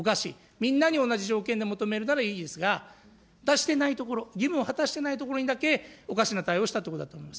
みんなに同じ条件で求めるならいいですが、出してないところ、義務を果たしていないところにだけおかしな対応をしたというところだと思います。